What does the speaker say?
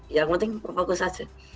yang penting fokus aja